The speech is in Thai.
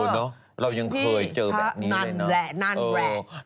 อ๋อเนอะเรายังเคยเจอแบบนี้พี่ข้าแนนแหละแนนแหละ